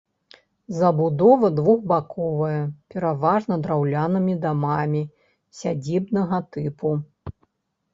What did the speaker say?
Забудова двухбаковая, пераважна драўлянымі дамамі сядзібнага тыпу.